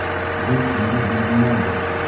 Беҙ унда булғылайбыҙ.